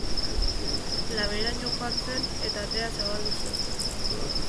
Laberaino joan zen eta atea zabaldu zuen.